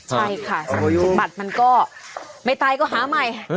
ใช่ค่ะบัตรมันก็ไม่ตายก็หาใหม่